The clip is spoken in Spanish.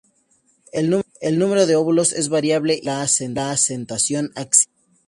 El número de óvulos es variable y la placentación axilar.